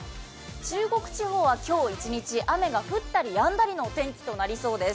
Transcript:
中国地方は今日一日雨が降ったりやんだりの天気となりそうです。